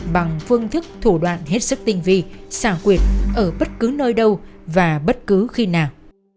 bằng phương thức thủ đoạn hết sức tinh vi xảo quyệt ở bất cứ nơi đâu và bất cứ khi nào